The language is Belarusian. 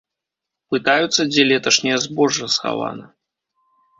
Пытаюцца, дзе леташняе збожжа схавана.